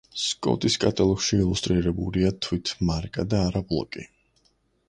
სკოტის კატალოგში ილუსტრირებულია თვით მარკა და არა ბლოკი.